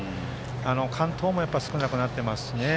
完投も少なくなっていますしね。